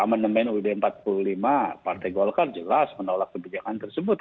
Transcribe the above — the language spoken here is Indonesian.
jabatan tiga amendement ud empat puluh lima partai golkar jelas menolak kebijakan tersebut